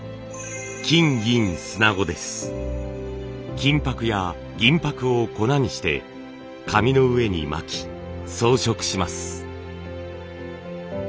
金ぱくや銀ぱくを粉にして紙の上にまき装飾します。